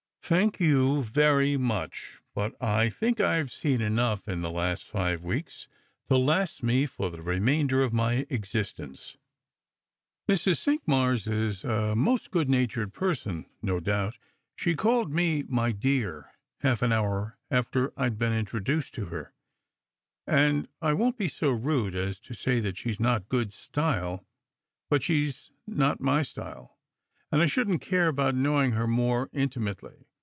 "Thank you very much; but I think I have seen enough in i,he last five weeks to last me for the remainder of my eristence. 158 Strangers and Pilgrims. Mrs. Cinqmars is a most good natured person, no doul)t ; sh« called me ' my dear' lialf an hour after I'd been introduced tf her; and I won't be so rude as to say that she's not good style; but she' ^ not my style, and I shouldn't care about knowing her more in imately.